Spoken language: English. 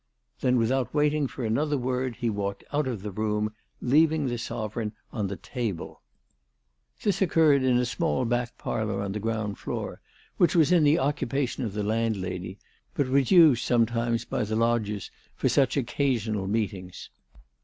Then without waiting for another word he walked out of the room, leaving the sovereign on the table. This occurred in a small back parlour on the ground floor, which was in the occupation of the landlady, but was 298 THE TELEGRAPH GIRL. used sometimes by the lodgers for such occasional meetings.